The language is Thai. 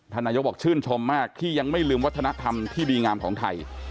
นายกบอกชื่นชมมากที่ยังไม่ลืมวัฒนธรรมที่ดีงามของไทย